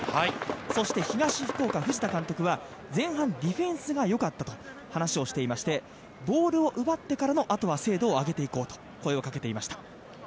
そして東福岡、藤田監督は、前半、ディフェンスがよかったと話をしていましてボールを奪ってからのあとは精度を上げていこうと声をかけていました。